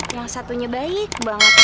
emang satunya baik banget